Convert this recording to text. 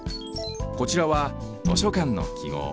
こちらは図書館のきごう。